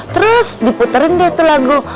terus diputerin deh tuh lagu